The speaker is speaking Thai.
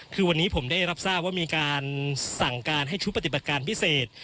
คือวันนี้ผมได้รับทราบว่ามีการสั่งการให้ชุดปฏิบัติการพิเศษ